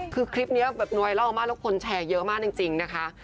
คือคลิปนี้แบบไวรอัลมากแล้วคนแชร์เยอะมากจริงนะคะ